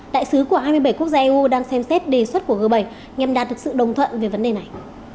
đại sứ của hai mươi bảy quốc gia eu đang xem xét đề xuất của g bảy nhằm đạt được sự đồng thuận về vấn đề này